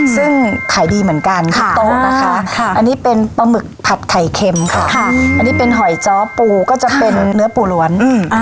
ซึ่งขายดีเหมือนกันที่โต๊ะนะคะอันนี้เป็นปลาหมึกผัดไข่เค็มค่ะอันนี้เป็นหอยจ้อปูก็จะเป็นเนื้อปูล้วน